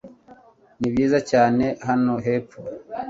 Nibyiza cyane hano hepfo